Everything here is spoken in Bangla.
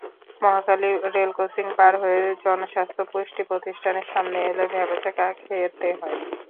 মহাখালী রেলক্রসিং পার হয়ে জনস্বাস্থ্য পুষ্টি প্রতিষ্ঠানের সামনে এলে ভ্যাবাচেকা খেতে হয়।